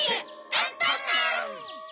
アンパンマン！